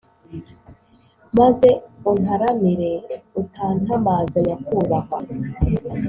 Maze untaramire utantamaza nyakubahwa?